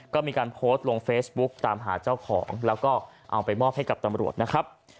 ก็มีการโพสต์ลงเฟซบุ๊กตามหาเจ้าของแล้วก็เอาไปมอบให้กับตำรวจนะครับ